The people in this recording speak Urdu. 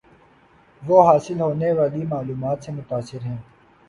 وہ حاصل ہونے والی معلومات سے متاثر ہیں